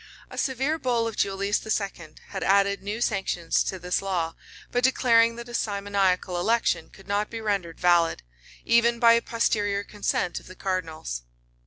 A severe bull of Julius II. had added new sanctions to this law, by declaring that a simoniacal election could not be rendered valid, even by a posterior consent of the cardinals.